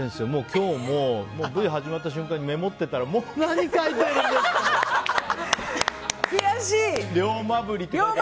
今日もＶ始まった瞬間にメモってたら何書いてるんですかー？